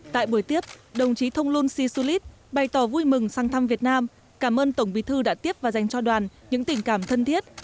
tại buổi tiếp đồng chí thonglun sisulit bày tỏ vui mừng sang thăm việt nam cảm ơn tổng bí thư đã tiếp và dành cho đoàn những tình cảm thân thiết